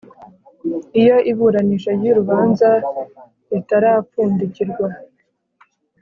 Iyo iburanisha ry urubanza ritarapfundikirwa